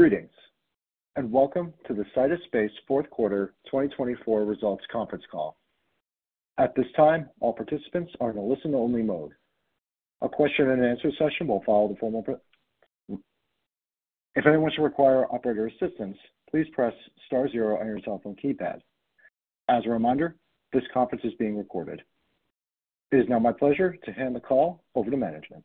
Greetings, and welcome to the Sidus Space Fourth Quarter 2024 Results Conference Call. At this time, all participants are in a listen-only mode. A question-and-answer session will follow the formal procedure. If anyone should require operator assistance, please press star zero on your cell phone keypad. As a reminder, this conference is being recorded. It is now my pleasure to hand the call over to management.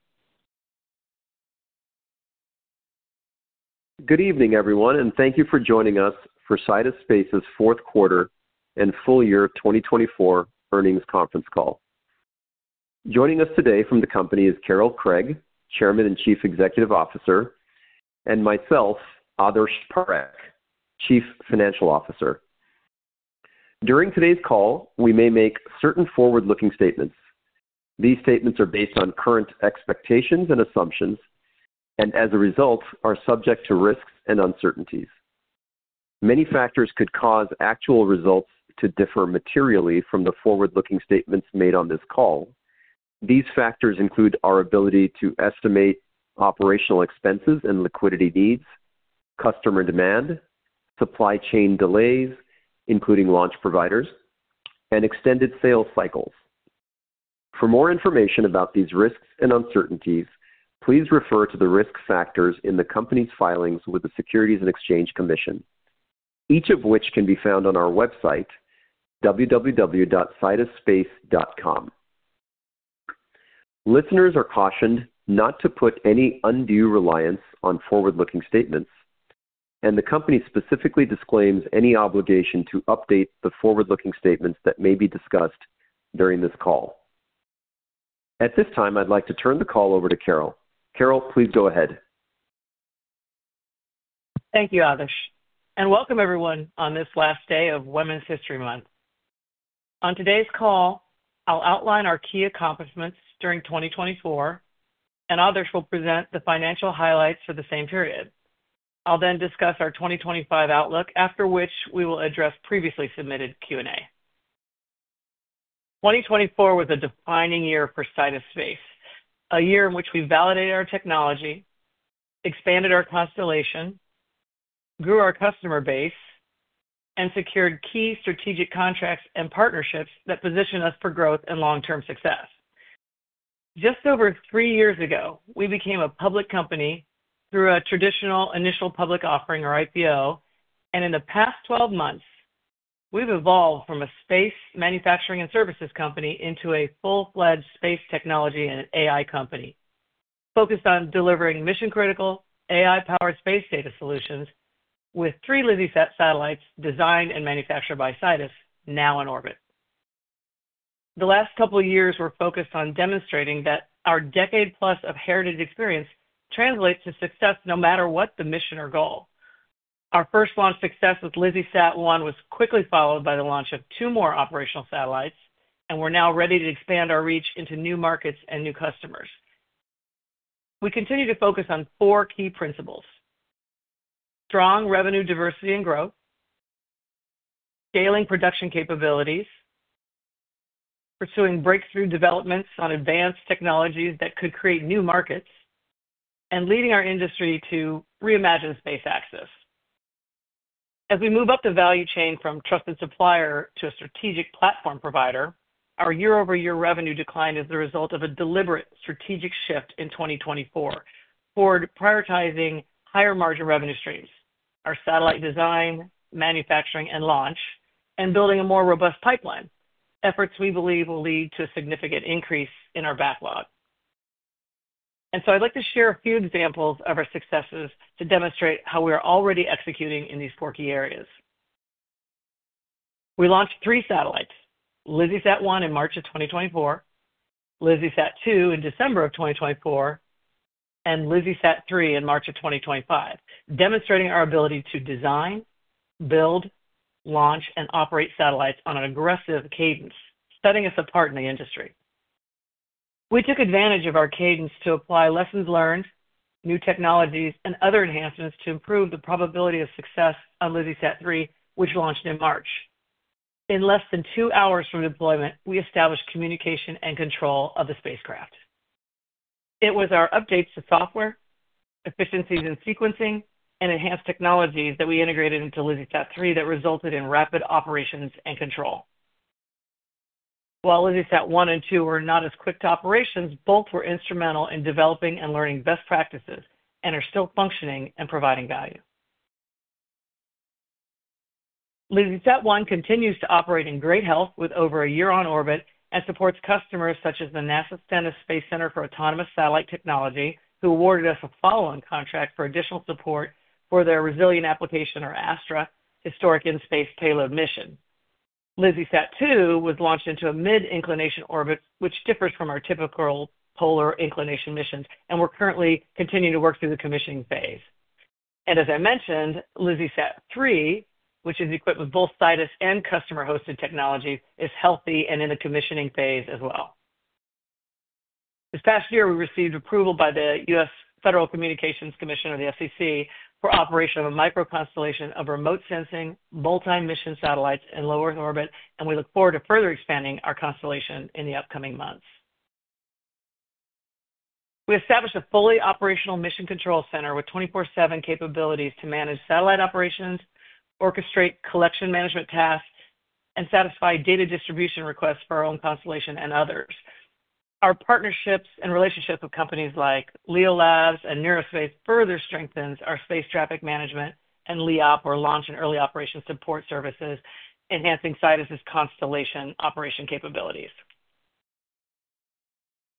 Good evening, everyone, and thank you for joining us for Sidus Space's fourth quarter and full year 2024 earnings conference call. Joining us today from the company is Carol Craig, Chairman and Chief Executive Officer, and myself, Adarsh Parekh, Chief Financial Officer. During today's call, we may make certain forward-looking statements. These statements are based on current expectations and assumptions, and as a result, are subject to risks and uncertainties. Many factors could cause actual results to differ materially from the forward-looking statements made on this call. These factors include our ability to estimate operational expenses and liquidity needs, customer demand, supply chain delays, including launch providers, and extended sales cycles. For more information about these risks and uncertainties, please refer to the risk factors in the company's filings with the Securities and Exchange Commission, each of which can be found on our website, www.sidusspace.com. Listeners are cautioned not to put any undue reliance on forward-looking statements, and the company specifically disclaims any obligation to update the forward-looking statements that may be discussed during this call. At this time, I'd like to turn the call over to Carol. Carol, please go ahead. Thank you, Adarsh. Welcome, everyone, on this last day of Women's History Month. On today's call, I'll outline our key accomplishments during 2024, and Adarsh will present the financial highlights for the same period. I'll then discuss our 2025 outlook, after which we will address previously submitted Q&A. 2024 was a defining year for Sidus Space, a year in which we validated our technology, expanded our constellation, grew our customer base, and secured key strategic contracts and partnerships that positioned us for growth and long-term success. Just over three years ago, we became a public company through a traditional initial public offering, or IPO, and in the past 12 months, we've evolved from a space manufacturing and services company into a full-fledged space technology and AI company focused on delivering mission-critical, AI-powered space data solutions with three LizzieSat satellites designed and manufactured by Sidus, now in orbit. The last couple of years were focused on demonstrating that our decade-plus of heritage experience translates to success no matter what the mission or goal. Our first launch success with LizzieSat 1 was quickly followed by the launch of two more operational satellites, and we're now ready to expand our reach into new markets and new customers. We continue to focus on four key principles: strong revenue diversity and growth, scaling production capabilities, pursuing breakthrough developments on advanced technologies that could create new markets, and leading our industry to reimagine space access. As we move up the value chain from trusted supplier to a strategic platform provider, our year-over-year revenue decline is the result of a deliberate strategic shift in 2024 toward prioritizing higher-margin revenue streams: our satellite design, manufacturing, and launch, and building a more robust pipeline, efforts we believe will lead to a significant increase in our backlog. I'd like to share a few examples of our successes to demonstrate how we are already executing in these four key areas. We launched three satellites: LizzieSat 1 in March of 2024, LizzieSat 2 in December of 2024, and LizzieSat 3 in March of 2025, demonstrating our ability to design, build, launch, and operate satellites on an aggressive cadence, setting us apart in the industry. We took advantage of our cadence to apply lessons learned, new technologies, and other enhancements to improve the probability of success on LizzieSat 3, which launched in March. In less than two hours from deployment, we established communication and control of the spacecraft. It was our updates to software, efficiencies in sequencing, and enhanced technologies that we integrated into LizzieSat 3 that resulted in rapid operations and control. While LizzieSat 1 and 2 were not as quick to operations, both were instrumental in developing and learning best practices and are still functioning and providing value. LizzieSat 1 continues to operate in great health with over a year on orbit and supports customers such as the NASA Stennis Space Center for Autonomous Satellite Technology, who awarded us a follow-on contract for additional support for their resilient application, or ASTRA, Historic In-Space Payload Mission. LizzieSat 2 was launched into a mid-inclination orbit, which differs from our typical polar inclination missions, and we're currently continuing to work through the commissioning phase. As I mentioned, LizzieSat 3, which is equipped with both Sidus and customer-hosted technologies, is healthy and in the commissioning phase as well. This past year, we received approval by the U.S. Federal Communications Commission, or the FCC, for operation of a micro-constellation of remote sensing multi-mission satellites in low Earth orbit, and we look forward to further expanding our constellation in the upcoming months. We established a fully operational mission control center with 24/7 capabilities to manage satellite operations, orchestrate collection management tasks, and satisfy data distribution requests for our own constellation and others. Our partnerships and relationships with companies like LeoLabs and Neuraspace further strengthen our space traffic management and LEOP, or Launch and Early Operation Support Services, enhancing Sidus' constellation operation capabilities.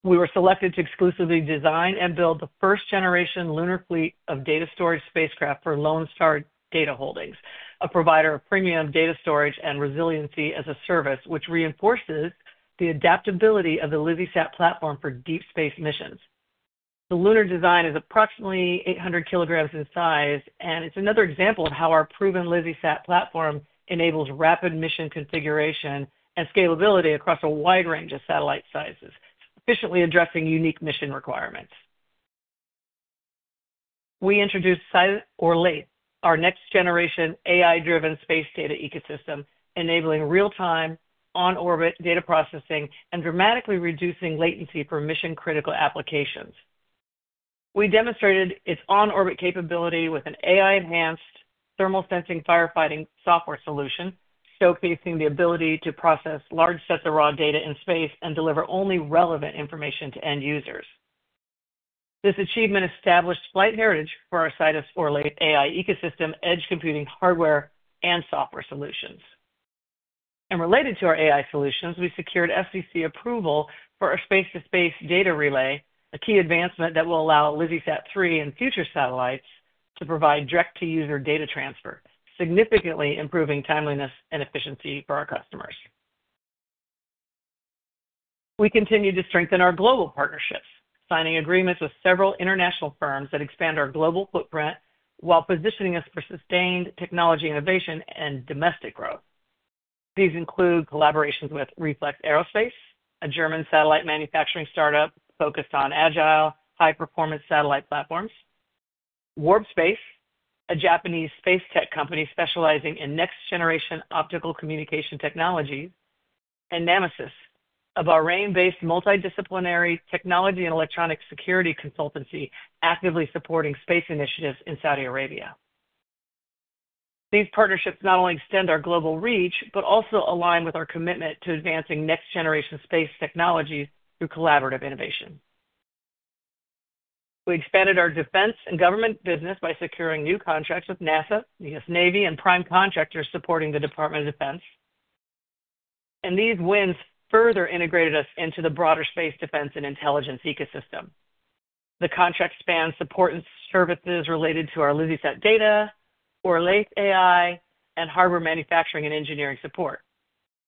We were selected to exclusively design and build the first-generation lunar fleet of data storage spacecraft for Lone Star Data Holdings, a provider of premium data storage and resiliency as a service, which reinforces the adaptability of the LizzieSat platform for deep space missions. The lunar design is approximately 800 kilograms in size, and it's another example of how our proven LizzieSat platform enables rapid mission configuration and scalability across a wide range of satellite sizes, efficiently addressing unique mission requirements. We introduced Sidus Orlaith, our next-generation AI-driven space data ecosystem, enabling real-time on-orbit data processing and dramatically reducing latency for mission-critical applications. We demonstrated its on-orbit capability with an AI-enhanced thermal sensing firefighting software solution, showcasing the ability to process large sets of raw data in space and deliver only relevant information to end users. This achievement established flight heritage for our Sidus Or AI ecosystem, edge computing hardware, and software solutions. Related to our AI solutions, we secured FCC approval for our space-to-space data relay, a key advancement that will allow LizzieSat 3 and future satellites to provide direct-to-user data transfer, significantly improving timeliness and efficiency for our customers. We continue to strengthen our global partnerships, signing agreements with several international firms that expand our global footprint while positioning us for sustained technology innovation and domestic growth. These include collaborations with Reflex Aerospace, a German satellite manufacturing startup focused on agile, high-performance satellite platforms, Warp Space, a Japanese space tech company specializing in next-generation optical communication technologies, and Nymeze, a Bahrain-based multidisciplinary technology and electronic security consultancy actively supporting space initiatives in Saudi Arabia. These partnerships not only extend our global reach but also align with our commitment to advancing next-generation space technologies through collaborative innovation. We expanded our defense and government business by securing new contracts with NASA, U.S. Navy, and prime contractors supporting the Department of Defense. These wins further integrated us into the broader space defense and intelligence ecosystem. The contract spans support and services related to our LizzieSat data, Orlaith AI, and hardware manufacturing and engineering support,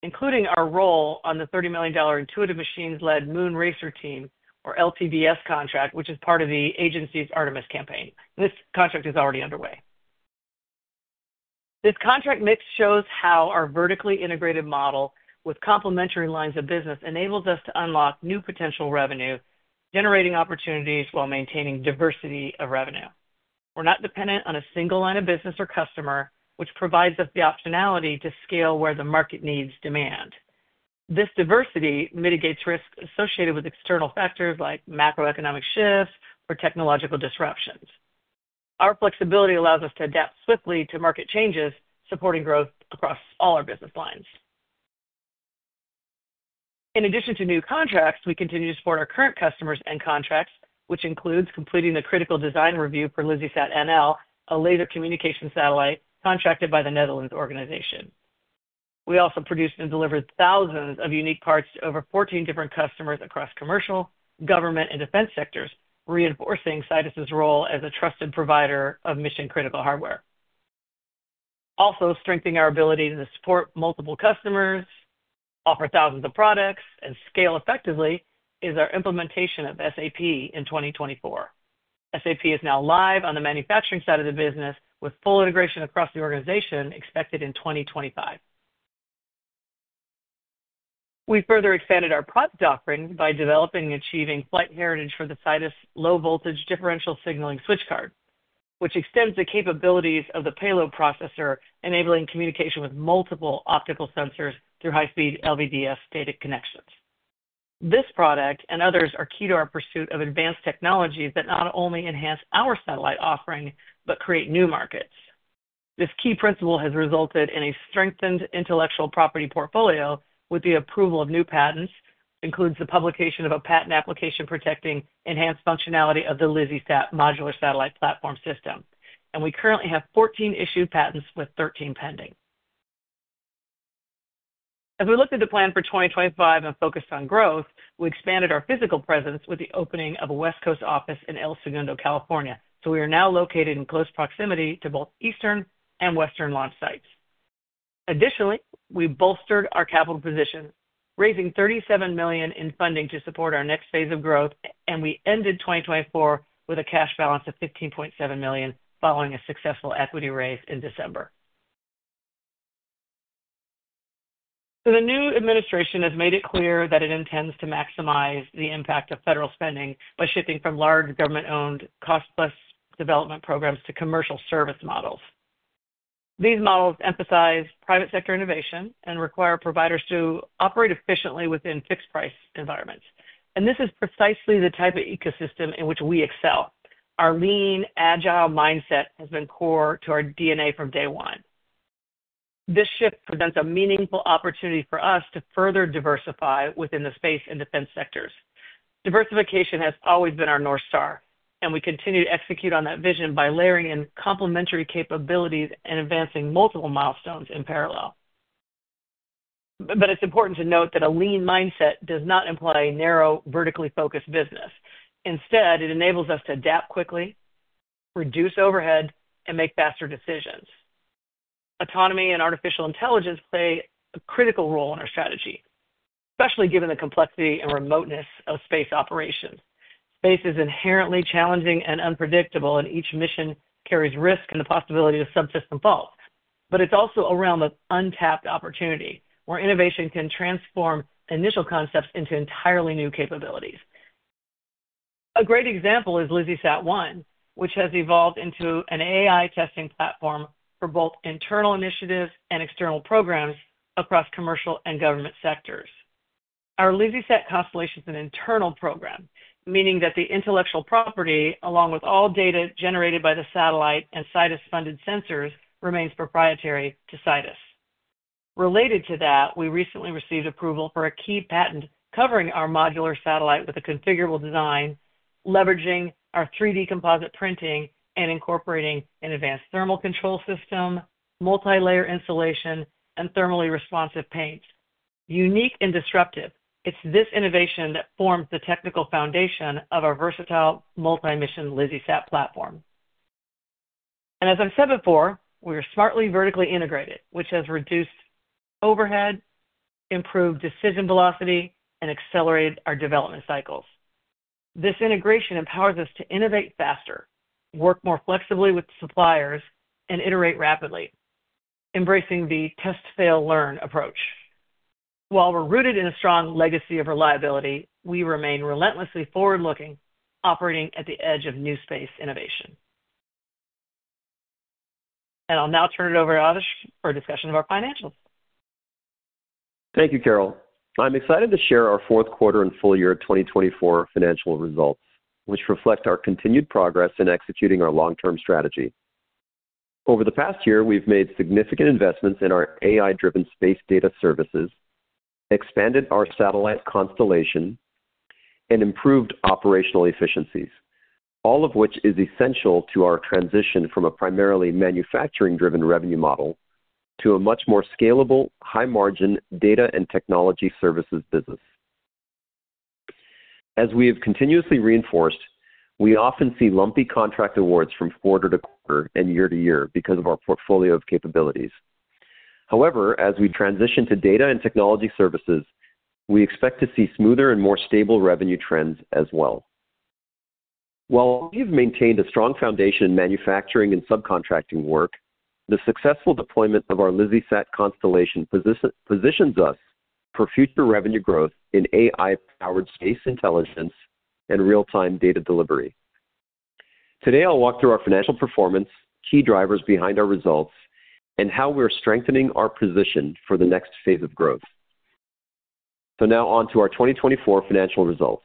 including our role on the $30 million Intuitive Machines-led Moon Racer team, or LTVS contract, which is part of the agency's Artemis campaign. This contract is already underway. This contract mix shows how our vertically integrated model with complementary lines of business enables us to unlock new potential revenue, generating opportunities while maintaining diversity of revenue. We're not dependent on a single line of business or customer, which provides us the optionality to scale where the market needs demand. This diversity mitigates risks associated with external factors like macroeconomic shifts or technological disruptions. Our flexibility allows us to adapt swiftly to market changes, supporting growth across all our business lines. In addition to new contracts, we continue to support our current customers and contracts, which includes completing the critical design review for LizzieSat NL, a laser communication satellite contracted by the Netherlands organization. We also produce and deliver thousands of unique parts to over 14 different customers across commercial, government, and defense sectors, reinforcing Sidus' role as a trusted provider of mission-critical hardware. Also, strengthening our ability to support multiple customers, offer thousands of products, and scale effectively is our implementation of SAP in 2024. SAP is now live on the manufacturing side of the business, with full integration across the organization expected in 2025. We further expanded our product offering by developing and achieving flight heritage for the Sidus Low-Voltage Differential Signaling Switch Card, which extends the capabilities of the payload processor, enabling communication with multiple optical sensors through high-speed LVDS data connections. This product and others are key to our pursuit of advanced technologies that not only enhance our satellite offering but create new markets. This key principle has resulted in a strengthened intellectual property portfolio with the approval of new patents, which includes the publication of a patent application protecting enhanced functionality of the LizzieSat modular satellite platform system. We currently have 14 issued patents with 13 pending. As we looked at the plan for 2025 and focused on growth, we expanded our physical presence with the opening of a West Coast office in El Segundo, California. We are now located in close proximity to both Eastern and Western launch sites. Additionally, we bolstered our capital position, raising $37 million in funding to support our next phase of growth, and we ended 2024 with a cash balance of $15.7 million following a successful equity raise in December. The new administration has made it clear that it intends to maximize the impact of federal spending by shifting from large government-owned cost-plus development programs to commercial service models. These models emphasize private sector innovation and require providers to operate efficiently within fixed-price environments. This is precisely the type of ecosystem in which we excel. Our lean, agile mindset has been core to our DNA from day one. This shift presents a meaningful opportunity for us to further diversify within the space and defense sectors. Diversification has always been our North Star, and we continue to execute on that vision by layering in complementary capabilities and advancing multiple milestones in parallel. It is important to note that a lean mindset does not imply a narrow, vertically focused business. Instead, it enables us to adapt quickly, reduce overhead, and make faster decisions. Autonomy and artificial intelligence play a critical role in our strategy, especially given the complexity and remoteness of space operations. Space is inherently challenging and unpredictable, and each mission carries risk and the possibility of subsystem faults. It is also a realm of untapped opportunity, where innovation can transform initial concepts into entirely new capabilities. A great example is LizzieSat 1, which has evolved into an AI testing platform for both internal initiatives and external programs across commercial and government sectors. Our LizzieSat constellation is an internal program, meaning that the intellectual property, along with all data generated by the satellite and Sidus-funded sensors, remains proprietary to Sidus. Related to that, we recently received approval for a key patent covering our modular satellite with a configurable design, leveraging our 3D composite printing and incorporating an advanced thermal control system, multi-layer insulation, and thermally responsive paints. Unique and disruptive, it's this innovation that forms the technical foundation of our versatile multi-mission LizzieSat platform. As I've said before, we are smartly vertically integrated, which has reduced overhead, improved decision velocity, and accelerated our development cycles. This integration empowers us to innovate faster, work more flexibly with suppliers, and iterate rapidly, embracing the test-fail-learn approach. While we're rooted in a strong legacy of reliability, we remain relentlessly forward-looking, operating at the edge of new space innovation. I'll now turn it over to Adarsh for a discussion of our financials. Thank you, Carol. I'm excited to share our fourth quarter and full year 2024 financial results, which reflect our continued progress in executing our long-term strategy. Over the past year, we've made significant investments in our AI-driven space data services, expanded our satellite constellation, and improved operational efficiencies, all of which is essential to our transition from a primarily manufacturing-driven revenue model to a much more scalable, high-margin data and technology services business. As we have continuously reinforced, we often see lumpy contract awards from quarter to quarter and year to year because of our portfolio of capabilities. However, as we transition to data and technology services, we expect to see smoother and more stable revenue trends as well. While we've maintained a strong foundation in manufacturing and subcontracting work, the successful deployment of our LizzieSat constellation positions us for future revenue growth in AI-powered space intelligence and real-time data delivery. Today, I'll walk through our financial performance, key drivers behind our results, and how we're strengthening our position for the next phase of growth. Now on to our 2024 financial results.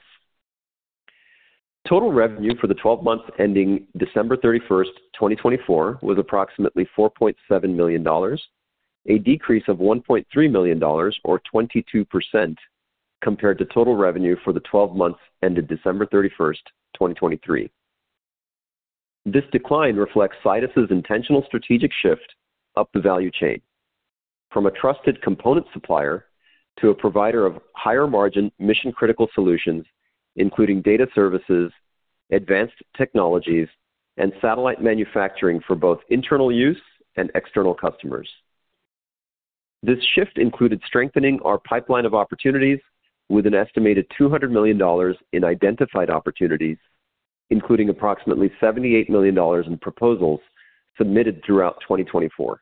The total revenue for the 12 months ending December 31, 2024, was approximately $4.7 million, a decrease of $1.3 million, or 22%, compared to total revenue for the 12 months ended December 31, 2023. This decline reflects Sidus' intentional strategic shift up the value chain, from a trusted component supplier to a provider of higher-margin mission-critical solutions, including data services, advanced technologies, and satellite manufacturing for both internal use and external customers. This shift included strengthening our pipeline of opportunities with an estimated $200 million in identified opportunities, including approximately $78 million in proposals submitted throughout 2024.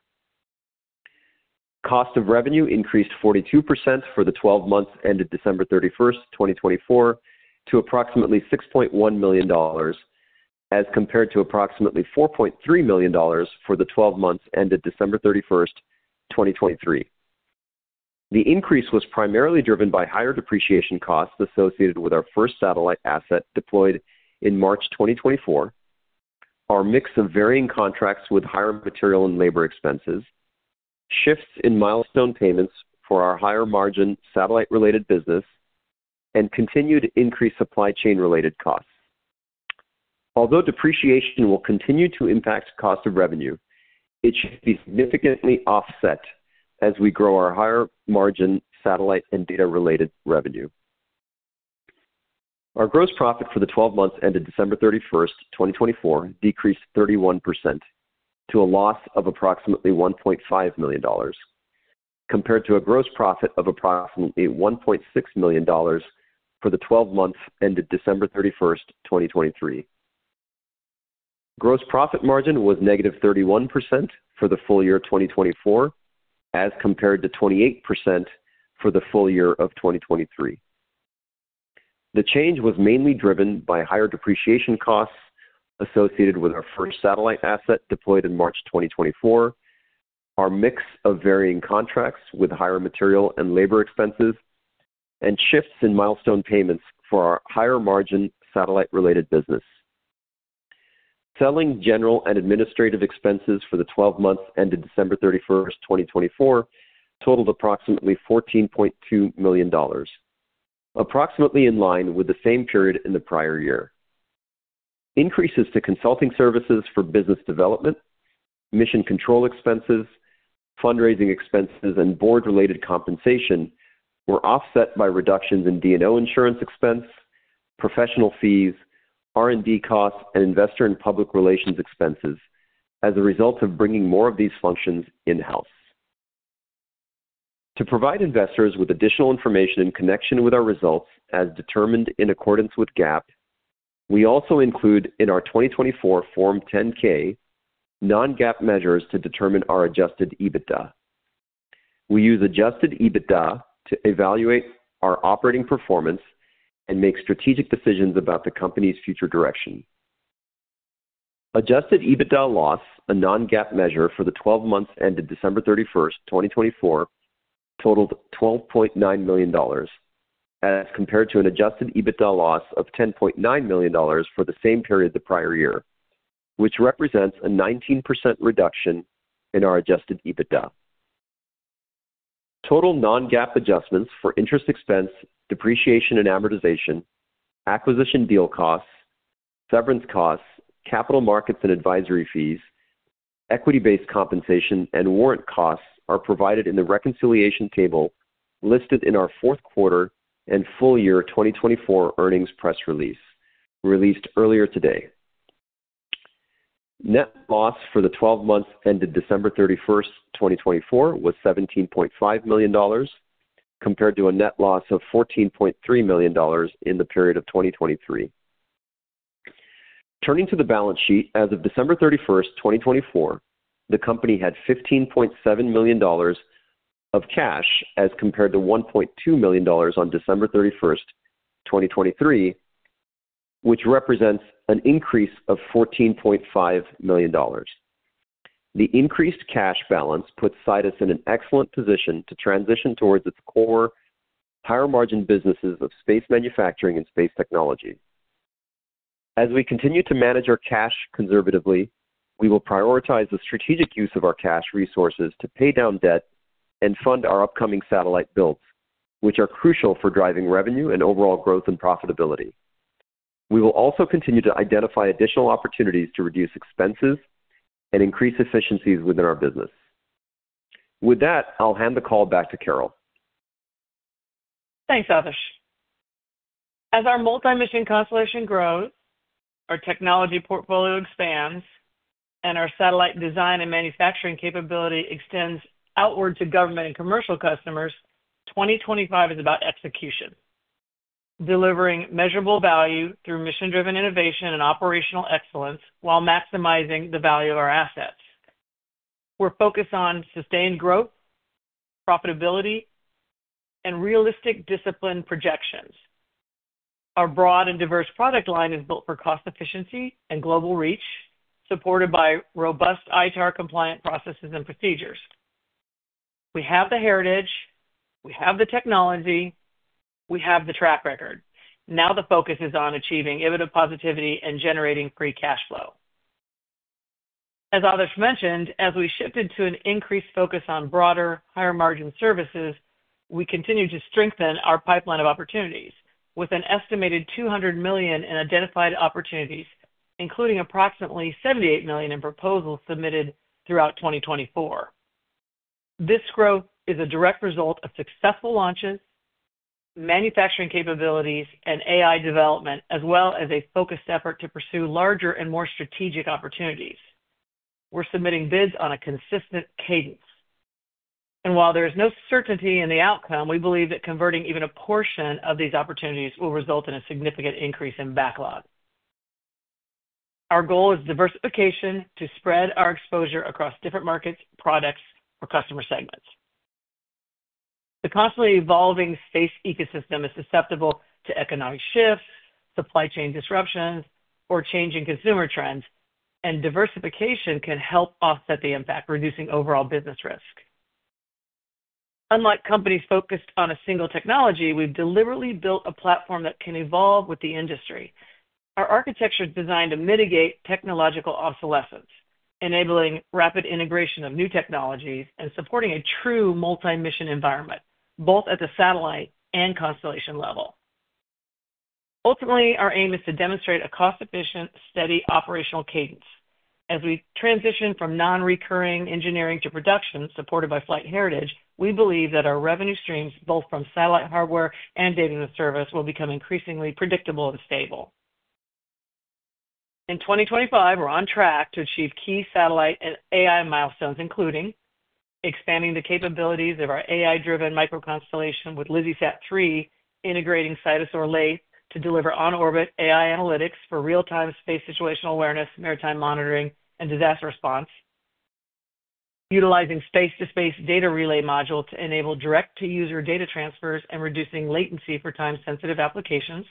Cost of revenue increased 42% for the 12 months ended December 31, 2024, to approximately $6.1 million, as compared to approximately $4.3 million for the 12 months ended December 31, 2023. The increase was primarily driven by higher depreciation costs associated with our first satellite asset deployed in March 2024, our mix of varying contracts with higher material and labor expenses, shifts in milestone payments for our higher-margin satellite-related business, and continued increased supply chain-related costs. Although depreciation will continue to impact cost of revenue, it should be significantly offset as we grow our higher-margin satellite and data-related revenue. Our gross profit for the 12 months ended December 31, 2024, decreased 31% to a loss of approximately $1.5 million, compared to a gross profit of approximately $1.6 million for the 12 months ended December 31, 2023. Gross profit margin was negative 31% for the full year 2024, as compared to 28% for the full year of 2023. The change was mainly driven by higher depreciation costs associated with our first satellite asset deployed in March 2024, our mix of varying contracts with higher material and labor expenses, and shifts in milestone payments for our higher-margin satellite-related business. Selling, general, and administrative expenses for the 12 months ended December 31, 2024, totaled approximately $14.2 million, approximately in line with the same period in the prior year. Increases to consulting services for business development, mission control expenses, fundraising expenses, and board-related compensation were offset by reductions in D&O insurance expense, professional fees, R&D costs, and investor and public relations expenses as a result of bringing more of these functions in-house. To provide investors with additional information in connection with our results as determined in accordance with GAAP, we also include in our 2024 Form 10-K non-GAAP measures to determine our adjusted EBITDA. We use adjusted EBITDA to evaluate our operating performance and make strategic decisions about the company's future direction. Adjusted EBITDA loss, a non-GAAP measure for the 12 months ended December 31, 2024, totaled $12.9 million, as compared to an adjusted EBITDA loss of $10.9 million for the same period the prior year, which represents a 19% reduction in our adjusted EBITDA. Total non-GAAP adjustments for interest expense, depreciation and amortization, acquisition deal costs, severance costs, capital markets and advisory fees, equity-based compensation, and warrant costs are provided in the reconciliation table listed in our fourth quarter and full year 2024 earnings press release released earlier today. Net loss for the 12 months ended December 31, 2024, was $17.5 million, compared to a net loss of $14.3 million in the period of 2023. Turning to the balance sheet, as of December 31, 2024, the company had $15.7 million of cash as compared to $1.2 million on December 31, 2023, which represents an increase of $14.5 million. The increased cash balance puts Sidus in an excellent position to transition towards its core higher-margin businesses of space manufacturing and space technology. As we continue to manage our cash conservatively, we will prioritize the strategic use of our cash resources to pay down debt and fund our upcoming satellite builds, which are crucial for driving revenue and overall growth and profitability. We will also continue to identify additional opportunities to reduce expenses and increase efficiencies within our business. With that, I'll hand the call back to Carol. Thanks, Adarsh. As our multi-mission constellation grows, our technology portfolio expands, and our satellite design and manufacturing capability extends outward to government and commercial customers, 2025 is about execution, delivering measurable value through mission-driven innovation and operational excellence while maximizing the value of our assets. We're focused on sustained growth, profitability, and realistic discipline projections. Our broad and diverse product line is built for cost efficiency and global reach, supported by robust ITAR-compliant processes and procedures. We have the heritage, we have the technology, we have the track record. Now the focus is on achieving EBITDA positivity and generating free cash flow. As Adarsh mentioned, as we shifted to an increased focus on broader, higher-margin services, we continue to strengthen our pipeline of opportunities with an estimated $200 million in identified opportunities, including approximately $78 million in proposals submitted throughout 2024. This growth is a direct result of successful launches, manufacturing capabilities, and AI development, as well as a focused effort to pursue larger and more strategic opportunities. We're submitting bids on a consistent cadence. While there is no certainty in the outcome, we believe that converting even a portion of these opportunities will result in a significant increase in backlog. Our goal is diversification to spread our exposure across different markets, products, or customer segments. The constantly evolving space ecosystem is susceptible to economic shifts, supply chain disruptions, or changing consumer trends, and diversification can help offset the impact, reducing overall business risk. Unlike companies focused on a single technology, we've deliberately built a platform that can evolve with the industry. Our architecture is designed to mitigate technological obsolescence, enabling rapid integration of new technologies and supporting a true multi-mission environment, both at the satellite and constellation level. Ultimately, our aim is to demonstrate a cost-efficient, steady operational cadence. As we transition from non-recurring engineering to production supported by flight heritage, we believe that our revenue streams, both from satellite hardware and data and service, will become increasingly predictable and stable. In 2025, we're on track to achieve key satellite and AI milestones, including expanding the capabilities of our AI-driven microconstellation with LizzieSat 3, integrating Sidus Orai to deliver on-orbit AI analytics for real-time space situational awareness, maritime monitoring, and disaster response, utilizing space-to-space data relay modules to enable direct-to-user data transfers and reducing latency for time-sensitive applications,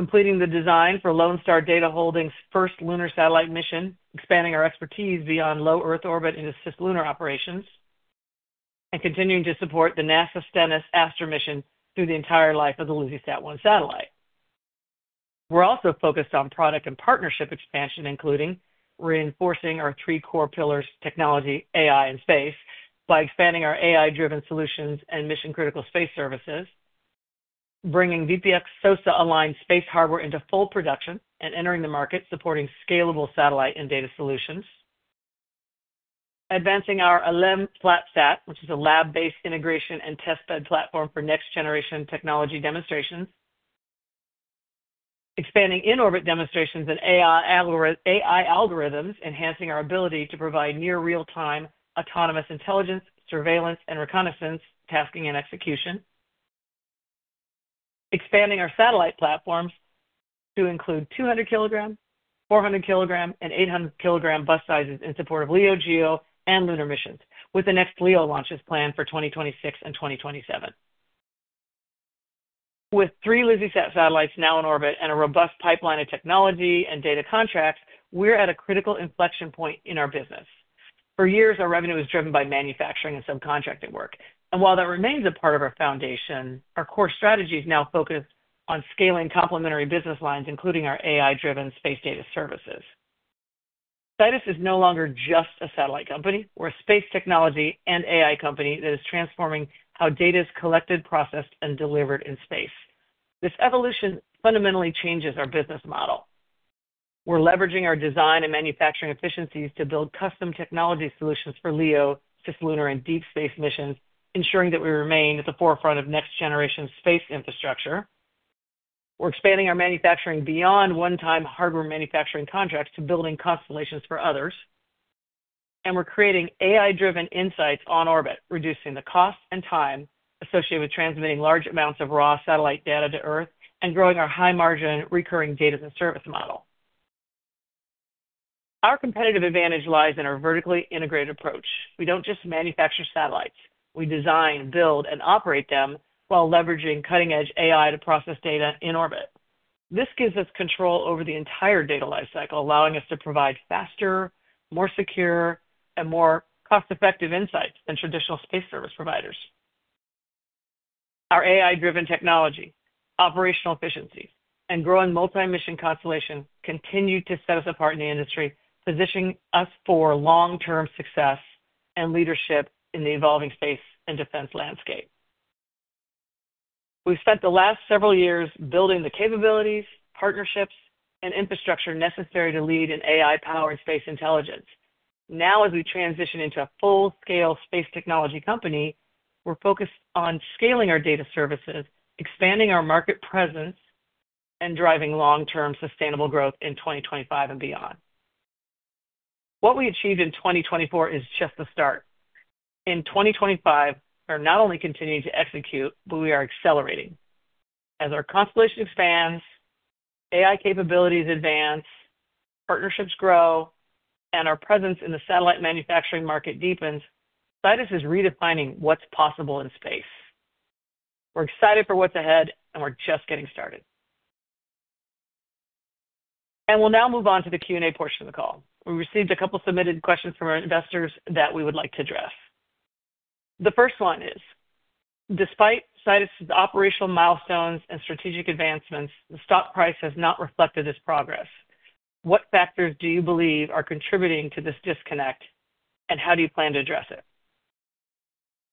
completing the design for Lone Star Data Holdings' first lunar satellite mission, expanding our expertise beyond low Earth orbit into cislunar operations, and continuing to support the NASA Stennis ASTRA mission through the entire life of the LizzieSat 1 satellite. We're also focused on product and partnership expansion, including reinforcing our three core pillars: technology, AI, and space, by expanding our AI-driven solutions and mission-critical space services, bringing VPX SOSA-aligned space hardware into full production and entering the market, supporting scalable satellite and data solutions, advancing our Alem FlatSat, which is a lab-based integration and testbed platform for next-generation technology demonstrations, expanding in-orbit demonstrations and AI algorithms, enhancing our ability to provide near-real-time autonomous intelligence, surveillance, and reconnaissance tasking and execution, expanding our satellite platforms to include 200-kilogram, 400-kilogram, and 800-kilogram bus sizes in support of LEO, GEO, and lunar missions, with the next LEO launches planned for 2026 and 2027. With three LizzieSat satellites now in orbit and a robust pipeline of technology and data contracts, we're at a critical inflection point in our business. For years, our revenue was driven by manufacturing and subcontracting work. While that remains a part of our foundation, our core strategy is now focused on scaling complementary business lines, including our AI-driven space data services. Sidus is no longer just a satellite company; we're a space technology and AI company that is transforming how data is collected, processed, and delivered in space. This evolution fundamentally changes our business model. We're leveraging our design and manufacturing efficiencies to build custom technology solutions for LEO, cislunar, and deep space missions, ensuring that we remain at the forefront of next-generation space infrastructure. We're expanding our manufacturing beyond one-time hardware manufacturing contracts to building constellations for others. We're creating AI-driven insights on orbit, reducing the cost and time associated with transmitting large amounts of raw satellite data to Earth and growing our high-margin recurring data and service model. Our competitive advantage lies in our vertically integrated approach. We don't just manufacture satellites; we design, build, and operate them while leveraging cutting-edge AI to process data in orbit. This gives us control over the entire data lifecycle, allowing us to provide faster, more secure, and more cost-effective insights than traditional space service providers. Our AI-driven technology, operational efficiencies, and growing multi-mission constellation continue to set us apart in the industry, positioning us for long-term success and leadership in the evolving space and defense landscape. We've spent the last several years building the capabilities, partnerships, and infrastructure necessary to lead in AI-powered space intelligence. Now, as we transition into a full-scale space technology company, we're focused on scaling our data services, expanding our market presence, and driving long-term sustainable growth in 2025 and beyond. What we achieved in 2024 is just the start. In 2025, we're not only continuing to execute, but we are accelerating. As our constellation expands, AI capabilities advance, partnerships grow, and our presence in the satellite manufacturing market deepens, Sidus is redefining what's possible in space. We're excited for what's ahead, and we're just getting started. We will now move on to the Q&A portion of the call. We received a couple of submitted questions from our investors that we would like to address. The first one is, despite Sidus's operational milestones and strategic advancements, the stock price has not reflected this progress. What factors do you believe are contributing to this disconnect, and how do you plan to address it?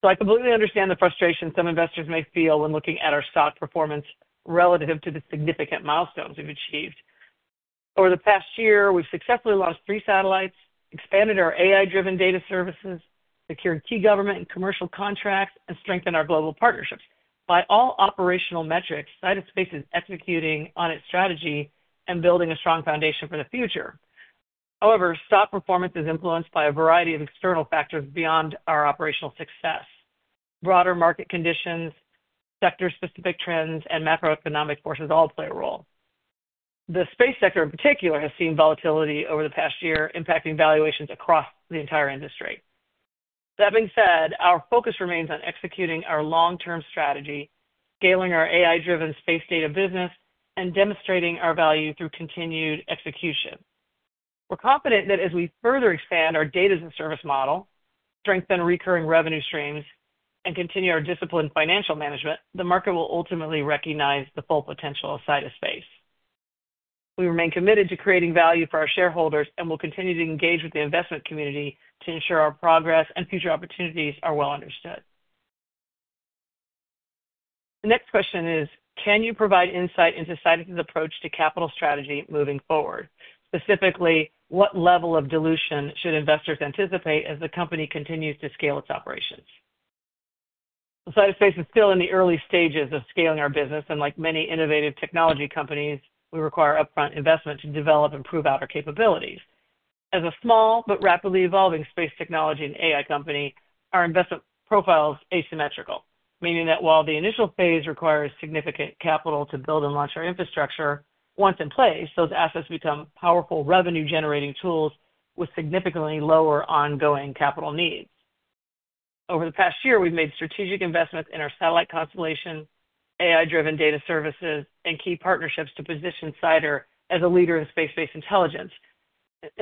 I completely understand the frustration some investors may feel when looking at our stock performance relative to the significant milestones we've achieved. Over the past year, we've successfully launched three satellites, expanded our AI-driven data services, secured key government and commercial contracts, and strengthened our global partnerships. By all operational metrics, Sidus Space is executing on its strategy and building a strong foundation for the future. However, stock performance is influenced by a variety of external factors beyond our operational success. Broader market conditions, sector-specific trends, and macroeconomic forces all play a role. The space sector, in particular, has seen volatility over the past year, impacting valuations across the entire industry. That being said, our focus remains on executing our long-term strategy, scaling our AI-driven space data business, and demonstrating our value through continued execution. We're confident that as we further expand our data and service model, strengthen recurring revenue streams, and continue our disciplined financial management, the market will ultimately recognize the full potential of Sidus Space. We remain committed to creating value for our shareholders and will continue to engage with the investment community to ensure our progress and future opportunities are well understood. The next question is, can you provide insight into Sidus's approach to capital strategy moving forward? Specifically, what level of dilution should investors anticipate as the company continues to scale its operations? Sidus Space is still in the early stages of scaling our business, and like many innovative technology companies, we require upfront investment to develop and prove out our capabilities. As a small but rapidly evolving space technology and AI company, our investment profile is asymmetrical, meaning that while the initial phase requires significant capital to build and launch our infrastructure, once in place, those assets become powerful revenue-generating tools with significantly lower ongoing capital needs. Over the past year, we've made strategic investments in our satellite constellation, AI-driven data services, and key partnerships to position Sidus as a leader in space-based intelligence.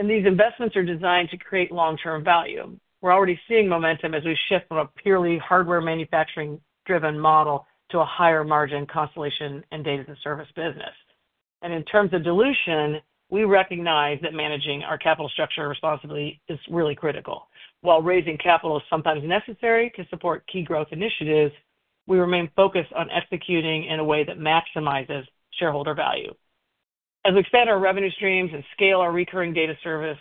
These investments are designed to create long-term value. We're already seeing momentum as we shift from a purely hardware manufacturing-driven model to a higher-margin constellation and data and service business. In terms of dilution, we recognize that managing our capital structure responsibly is really critical. While raising capital is sometimes necessary to support key growth initiatives, we remain focused on executing in a way that maximizes shareholder value. As we expand our revenue streams and scale our recurring data service,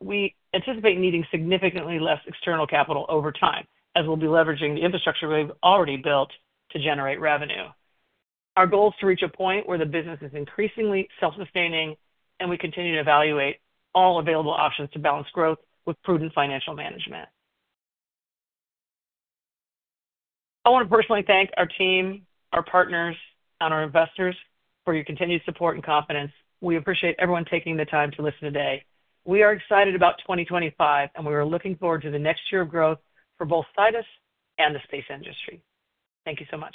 we anticipate needing significantly less external capital over time as we'll be leveraging the infrastructure we've already built to generate revenue. Our goal is to reach a point where the business is increasingly self-sustaining, and we continue to evaluate all available options to balance growth with prudent financial management. I want to personally thank our team, our partners, and our investors for your continued support and confidence. We appreciate everyone taking the time to listen today. We are excited about 2025, and we are looking forward to the next year of growth for both Sidus and the space industry. Thank you so much.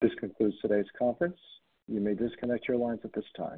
This concludes today's conference. You may disconnect your lines at this time.